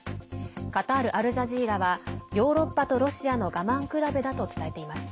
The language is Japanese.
カタール・アルジャジーラはヨーロッパとロシアの我慢比べだと伝えています。